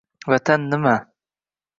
Vatan nima?